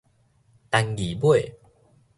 單字尾